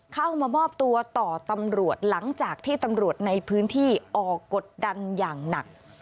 เข้ามามอบตัวต่อตำรวจหลังจากที่ตำรวจในพื้นที่ออกกดดันอย่างหนัก